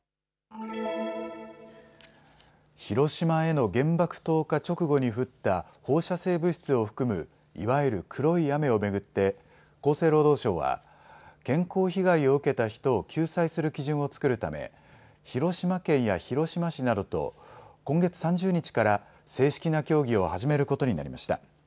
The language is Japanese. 広島への原爆投下直後に降った放射性物質を含むいわゆる黒い雨を巡って厚生労働省は健康被害を受けた人を救済する基準を作るため広島県や広島市などと今月３０日から正式な協議を始めることになりました。